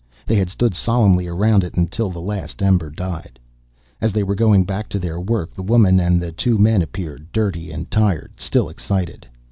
They had stood solemnly around it until the last ember died. As they were going back to their work the woman and the two men appeared, dirty and tired, still excited.